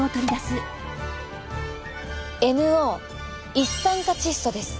ＮＯ一酸化窒素です。